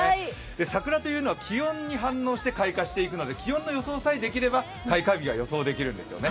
桜というのは気温に反応して開花していくので気温の予想さえできれば、開花日が予想できるんですよね。